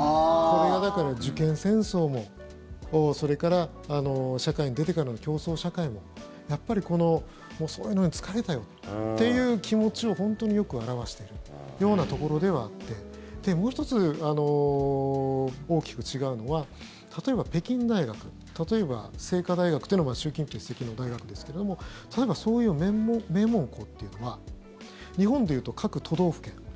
これがだから、受験戦争もそれから社会に出てからの競争社会ももう、そういうのに疲れたよっていう気持ちを本当によく表しているようなところであってもう１つ、大きく違うのは例えば、北京大学例えば、清華大学というのは習近平主席の大学ですけれども例えばそういう名門校というのは日本でいうと各都道府県